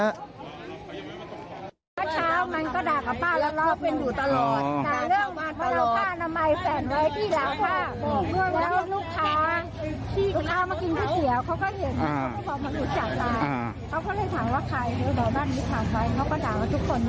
ตามไปเขาก็ด่ากับทุกคน